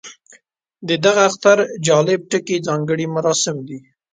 د دغه اختر جالب ټکی ځانګړي مراسم دي.